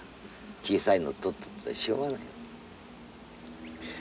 小さいの取っとってもしょうがない。